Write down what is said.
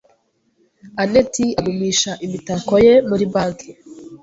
anet agumisha imitako ye muri banki.